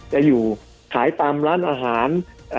จะอยู่ขายตามร้านอาหาร